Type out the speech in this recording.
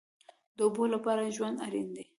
د اوبو لپاره ژوند اړین دی